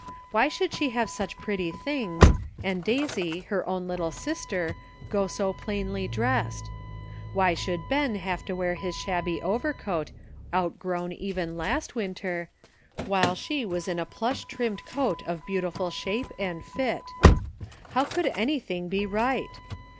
Why should she have such pretty things, and Daisy, her own little sister, go so plainly dressed ? Why should Ben have to wear his shabby overcoat, outgrown even last winter, 238 BORROWED TROUBLE. while she was in a plush trimmed coat of beau tiful shape and fit? How could anything be right?